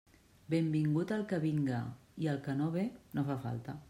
Benvingut el que vinga, i el que no ve no fa falta.